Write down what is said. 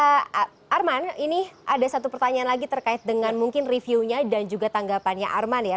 pak arman ini ada satu pertanyaan lagi terkait dengan mungkin reviewnya dan juga tanggapannya arman ya